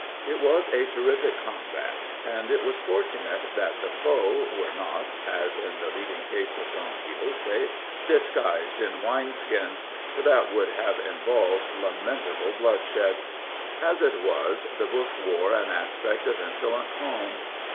It was a terrific combat, and it was fortunate that the foe were not, as in the leading case of Don Quixote, disguised in wine skins, for that would have involved lamentable bloodshed. As it was, the books wore an aspect of insolent calm.